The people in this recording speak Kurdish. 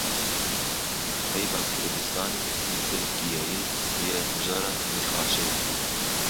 Peyva Kurdistanê li Tirkiyeyê bûye mijara nîqaşê.